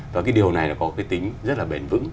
và cái điều này nó có cái tính rất là bền vững